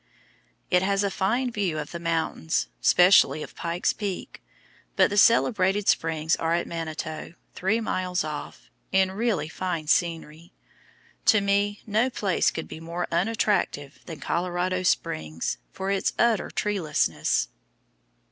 It has a fine view of the mountains, specially of Pike's Peak, but the celebrated springs are at Manitou, three miles off, in really fine scenery. To me no place could be more unattractive than Colorado Springs, from its utter treelessness.